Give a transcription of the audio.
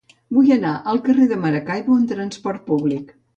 Vull anar al carrer de Maracaibo amb trasport públic.